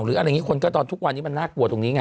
หรือคนทุกวันนี้มันน่ากลัวตรงนี้ไง